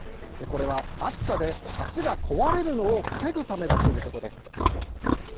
これは暑さで橋が壊れるのを防ぐためだということです。